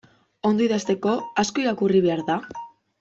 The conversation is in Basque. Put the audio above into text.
Ondo idazteko, asko irakurri behar da?